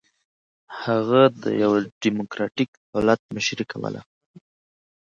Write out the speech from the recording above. هغه د یوه ډیموکراټیک دولت مشري کوله.